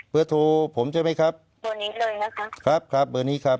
เพื่อโทรผมใช่ไหมครับตัวนี้เลยนะคะครับครับตัวนี้ครับ